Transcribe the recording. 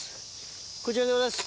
こちらでございます。